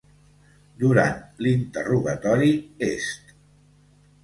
Durant l'interrogatori est